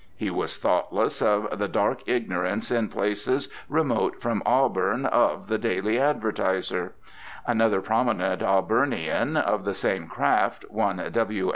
He was thoughtless of the dark ignorance in places remote from Auburn of the Daily Advertiser. Another prominent Auburnian of the same craft, one W.